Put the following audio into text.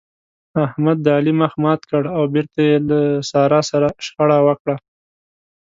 احمد د علي مخ مات کړ او بېرته يې له سارا سره شخړه وکړه.